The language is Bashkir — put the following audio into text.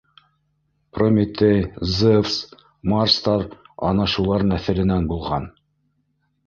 Прометей, Зевс, Марстар ана шулар нәҫеленән булған.